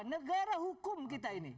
negara hukum kita ini